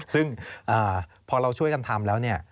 ซึ่งพอเราช่วยกันทำแล้วเนี่ย